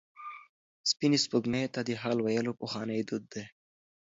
سپینې سپوږمۍ ته د حال ویل پخوانی دود دی.